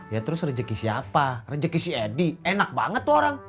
ya terus rezeki siapa rezeki si edi enak banget tuh orang